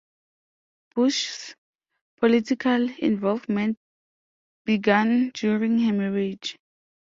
Bush's political involvement began during her marriage.